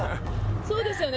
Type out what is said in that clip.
そうですよね。